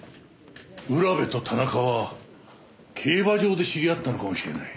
浦部と田中は競馬場で知り合ったのかもしれない。